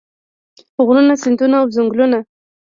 غرونه سیندونه او ځنګلونه.